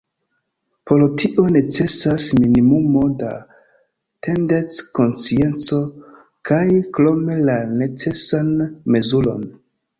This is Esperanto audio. Por tio necesas minimumo da tendenc-konscienco kaj krome la necesan mezuron.